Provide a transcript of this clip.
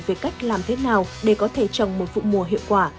về cách làm thế nào để có thể trồng một vụ mùa hiệu quả